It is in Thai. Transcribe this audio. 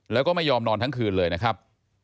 แล้วก็ไม่ยอมนอนทั้งคืนเลยนะครับ